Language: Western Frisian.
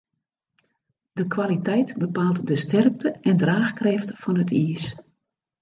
De kwaliteit bepaalt de sterkte en draachkrêft fan it iis.